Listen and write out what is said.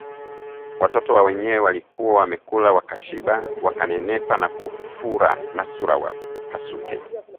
Watoto wa wenyewe walikuwa wamekula wakashiba, wakanenepa na kufura nusura wapasuke